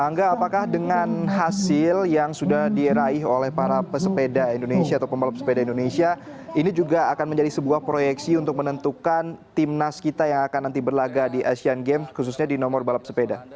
angga apakah dengan hasil yang sudah diraih oleh para pesepeda indonesia atau pembalap sepeda indonesia ini juga akan menjadi sebuah proyeksi untuk menentukan timnas kita yang akan nanti berlaga di asian games khususnya di nomor balap sepeda